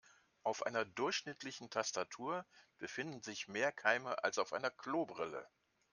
Auf einer durchschnittlichen Tastatur befinden sich mehr Keime als auf einer Klobrille.